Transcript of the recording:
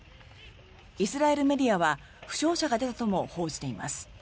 イスラエルメディアは負傷者が出たとも報じています。